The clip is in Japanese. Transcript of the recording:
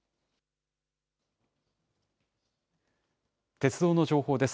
鉄道の情報です。